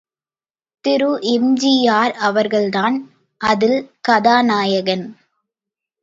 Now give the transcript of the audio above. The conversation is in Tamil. திரு எம்.ஜி.ஆர். அவர்கள்தான் அதில் கதாநாயகன்.